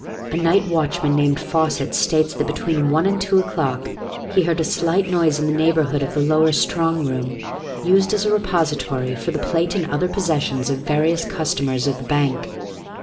A night watchman named Fawcett states that between one and two o'clock he heard a slight noise in the neighborhood of the lower strong room, used as a repository for the plate and other possessions of various customers of the bank.